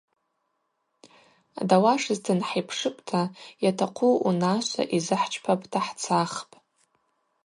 Дауашызтын, хӏипшыпӏта, йатахъу унашва йзыхӏчпапӏта, хӏцахпӏ.